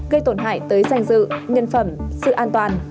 gây tổn hại tới danh dự nhân phẩm sự an toàn